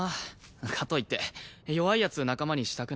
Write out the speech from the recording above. かといって弱い奴仲間にしたくないし。